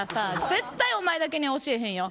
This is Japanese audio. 絶対お前だけに教えへんよ。